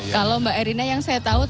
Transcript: kalau mbak erina yang saya tahu